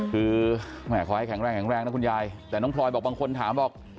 คือขอให้แข็งแรงนะคุณยายแต่น้องพลอยบอกบางคนถามบอก